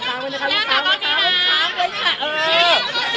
ย่ามีทางออกไหม